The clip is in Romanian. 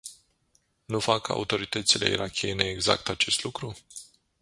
Nu fac autoritățile irakiene exact acest lucru?